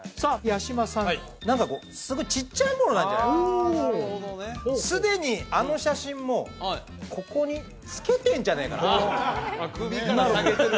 八嶋さんはい何かすごいちっちゃいものなんじゃないかとすでにあの写真もここに着けてんじゃねえかなとあっ首から下げてる？